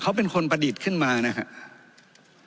เขาเป็นคนประดิษฐ์ขึ้นมานะครับ